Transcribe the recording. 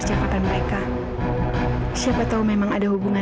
ini semua gara gara aku man